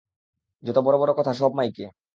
যত বড় বড় কথা, সব মাইকে।